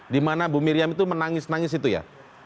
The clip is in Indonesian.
dimana bu miriam itu menangis nangis itu ya